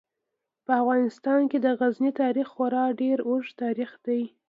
په افغانستان کې د غزني تاریخ خورا ډیر اوږد تاریخ دی.